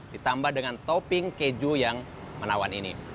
ditambah dengan topping keju yang menawan ini